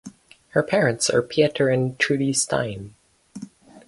Her parents are Pieter and Trudie Steyn.